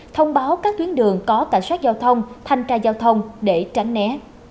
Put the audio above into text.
thông báo các tuyến đường có tài soát giao thông thanh tra giao thông để tránh né